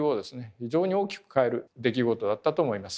非常に大きく変える出来事だったと思います。